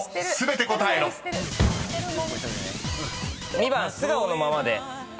２番素顔のままで。